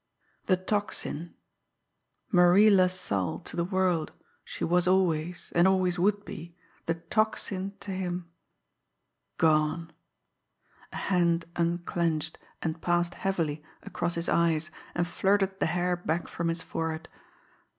The Tocsin! Marie LaSalle to the world, she was always, and always would be, the Tocsin to him. Gone! A hand unclenched and passed heavily across his eyes and flirted the hair back from his forehead.